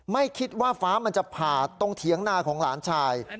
ไม่คิดว่าฟ้ามันจะผ่าตรงเถียงนาของหลานชาย